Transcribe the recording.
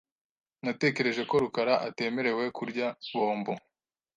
Natekereje ko rukara atemerewe kurya bombo .